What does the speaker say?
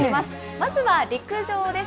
まずは陸上です。